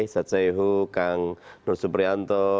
satsehu kang nur suprianto